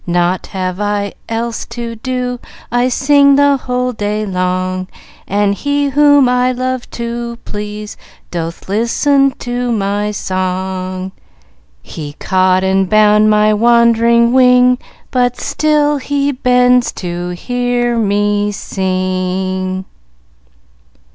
"Naught have I else to do; I sing the whole day long; And He whom most I love to please Doth listen to my song, He caught and bound my wandering wing, But still He bends to hear me sing."